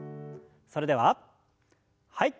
それでははい。